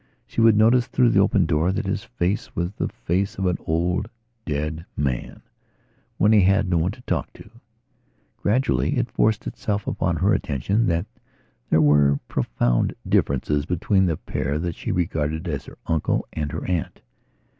She would notice through the open door that his face was the face of an old, dead man, when he had no one to talk to. Gradually it forced itself upon her attention that there were profound differences between the pair that she regarded as her uncle and her aunt.